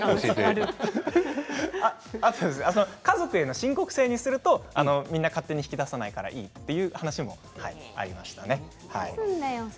家族への申告制にするとみんな勝手に引き出さないからいいという話もありました。